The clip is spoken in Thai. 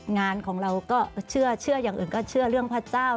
งานของเราก็เชื่ออย่างอื่นก็เชื่อเรื่องพระเจ้า